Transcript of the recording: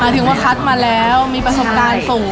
ถึงว่าคัดมาแล้วมีประสบการณ์สูง